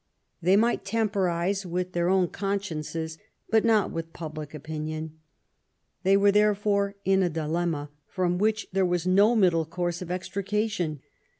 LIFE WITH GODWIN: MABBIAGE. 193 They might temporize with their own consciences, but not with public opinion. They were therefore in a di lemma, from which there was no middle course of extrication.